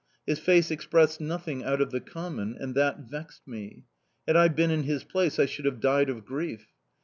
His face expressed nothing out of the common and that vexed me. Had I been in his place, I should have died of grief.